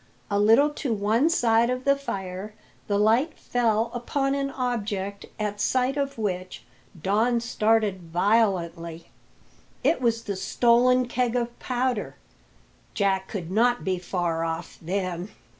A little to one side of the fire the light fell upon an object at sight of which Don started violently. It was the stolen keg of powder. Jack could not be far off, then!